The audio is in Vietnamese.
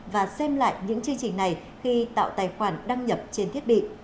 và xem lại những chương trình này khi tạo tài khoản đăng nhập trên thiết bị